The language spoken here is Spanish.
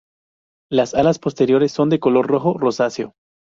Las alas posteriores son de color rojo rosáceo.